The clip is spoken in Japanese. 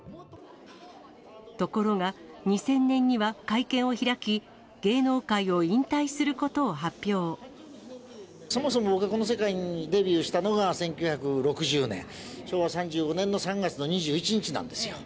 ところが、２０００年には会見を開き、芸能界を引退することを発そもそも僕がこの世界にデビューしたのが１９６０年、昭和３５年の３月の２１日なんですよ。